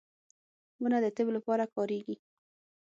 • ونه د طب لپاره کارېږي.